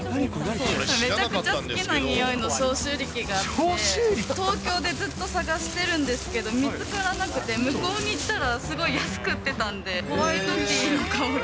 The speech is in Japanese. めちゃくちゃ好きなにおいの消臭力があって、東京でずっと探してるんですけど、見つからなくて、向こうに行ったら、すごい安く売ってたんで、ホワイトティーの香り。